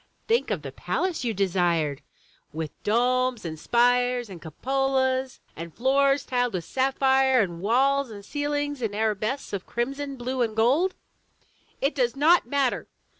Think of the palace you desired, with domes and spires and cupolas, and floors tiled with sapphire, and walls and ceilings in arabesques of crimson, blue and gold!'* "It does not matter!"